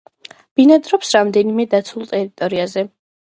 ბინადრობს რამდენიმე დაცულ ტერიტორიაზე.